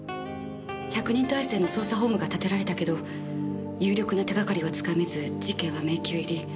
１００人態勢の捜査本部が立てられたけど有力な手がかりはつかめず事件は迷宮入り。